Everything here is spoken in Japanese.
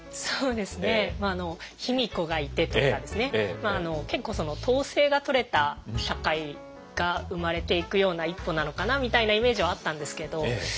そうですね卑弥呼がいてとかですね結構統制がとれた社会が生まれていくような一歩なのかなみたいなイメージはあったんですけど。